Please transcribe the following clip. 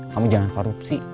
kamu jangan korupsi